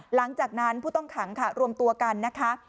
หลังจากนั้นผู้ต้องขังค่ะรวมตัวกันนะคะ